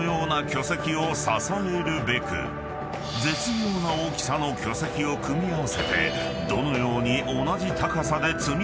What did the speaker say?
［絶妙な大きさの巨石を組み合わせてどのように同じ高さで積み上げたのか］